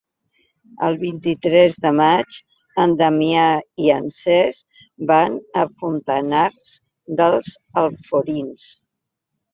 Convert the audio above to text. El vint-i-tres de maig en Damià i en Cesc van a Fontanars dels Alforins.